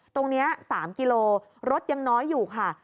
ตรงนี้๓กิโลรถยังน้อยอยู่ค่ะ